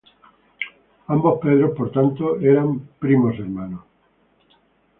Ambos Pedros, por tanto, eran primos hermanos.